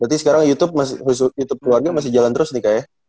berarti sekarang youtube keluarga masih jalan terus nih kak ya